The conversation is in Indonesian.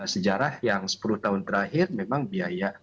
sejarah yang sepuluh tahun terakhir memang biaya